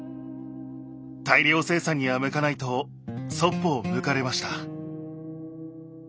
大量生産には向かないとそっぽを向かれました。